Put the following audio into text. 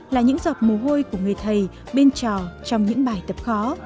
là những giọt mồ hôi của người thầy bên trò trong những bài tập khó